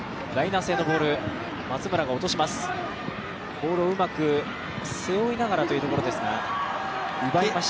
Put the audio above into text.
ボールをうまく背負いながらということですが、奪いました。